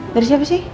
dari siapa sih